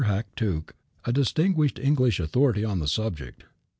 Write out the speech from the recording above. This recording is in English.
Hack Tuke, a distinguished English authority on the subject.